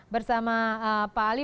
bersama pak ali